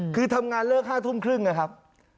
คือทำงานเลิก๕ทุ๓๐นะครับ